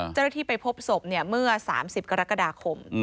เจ้าหน้าที่ไปพบศพเมื่อ๓๐กรกฎาคม